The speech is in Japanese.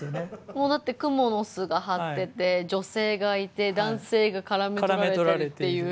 もうだってくもの巣が張ってて女性がいて男性がからめ捕られてるっていう。